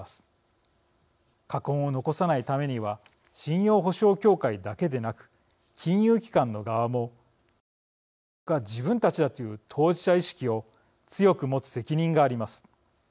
禍根を残さないためには信用保証協会だけでなく金融機関の側も経営支援の主役は自分たちだという当事者意識を強く持つ責任があります。